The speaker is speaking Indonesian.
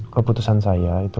keputusan saya itu